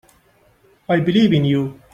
I believe in you.